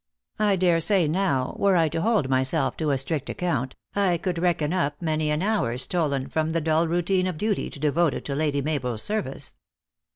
I dare say now, were I to hold myself to a strict account, I could reckon up many an hour stolen from the dull routine of duty to devote it to Lady Mabel s service."